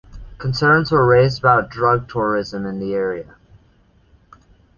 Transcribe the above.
Concerns were raised about "drug tourism" to the area.